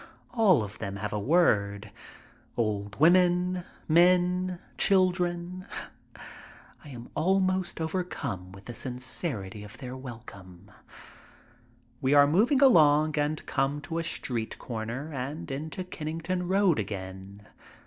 All of them have a word — old women, men, children. I am almost overcome with the sincerity of their welcome. We are moving along and come to a street comer and into Kennington Road again.